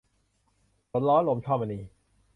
สนล้อลม - ช่อมณี